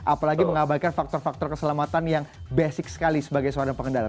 apalagi mengabaikan faktor faktor keselamatan yang basic sekali sebagai seorang pengendara